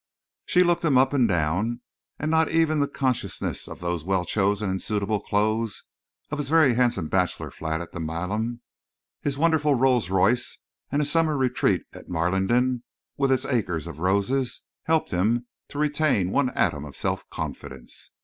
She looked him up and down, and not even the consciousness of those well chosen and suitable clothes, of his very handsome bachelor flat at the Milan, his wonderful Rolls Royce, and his summer retreat at Marlingden, with its acre of roses, helped him to retain an atom of self confidence.